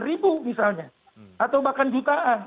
ribu misalnya atau bahkan jutaan